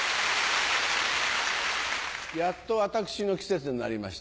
やっと私の季節になりました。